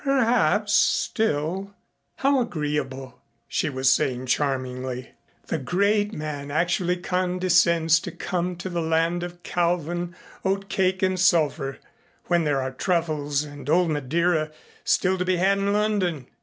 Perhaps still "How agreeable," she was saying charmingly. "The great man actually condescends to come to the land of Calvin, oatcake and sulphur, when there are truffles and old Madeira still to be had in London."